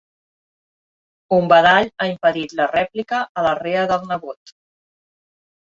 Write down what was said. Un badall ha impedit la rèplica a la rea del nebot.